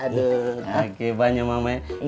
nangke banyak mama ya